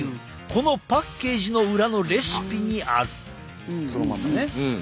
このパッケージの裏のレシピにある。